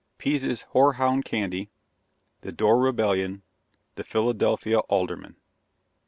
PEASE'S HOARHOUND CANDY. THE DORR REBELLION. THE PHILADELPHIA ALDERMEN.